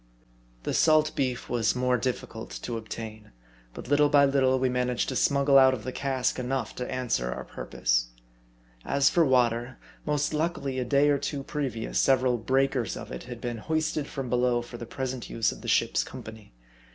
The salt beef was more B * 34 MA ED I. difficult to obtain ; but, little by little, we managed to smug gle out of the cask enough to answer our purpose. As for water, most luckily a day or two previous several "breakers" of it had been hoisted from below for the present use of the ship's company.